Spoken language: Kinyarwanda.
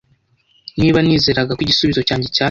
Niba nizeraga ko igisubizo cyanjye cyatanzwe